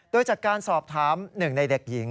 โดยจากการสอบถามหนึ่งในเด็กหญิง